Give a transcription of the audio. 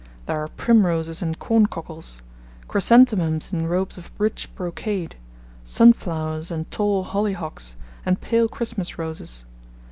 There are Primroses and Corncockles, Chrysanthemums in robes of rich brocade, Sunflowers and tall Hollyhocks, and pale Christmas Roses.